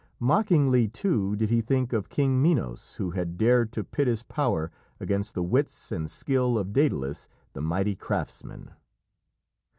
Mockingly, too, did he think of King Minos, who had dared to pit his power against the wits and skill of Dædalus, the mighty craftsman.